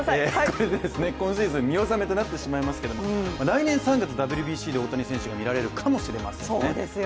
これで今シーズン見納めとなってしまいますけれども来年３月ＷＢＣで大谷選手が見られるかもしれませんね。